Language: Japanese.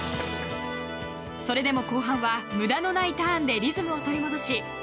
それでも後半は無駄のないターンでリズムを取り戻し